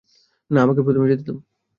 না, আমাকে প্রথমে যেতে দাও।